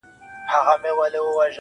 زما ځواني دي ستا د زلفو ښامارونه وخوري.